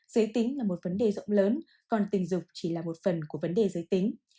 giới tính là một vấn đề rộng lớn còn tình dục chỉ là một phần của vấn đề giới tính